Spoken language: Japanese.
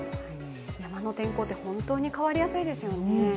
山の天候って本当に変わりやすいですよね。